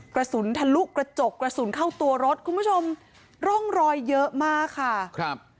กระสุนทะลุกระจกกระสุนเข้าตัวรถคุณผู้ชมร่องรอยเยอะมากค่ะครับ